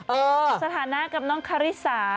เออสถานะกับน้องฯคารีซา